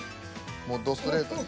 もうどストレートに。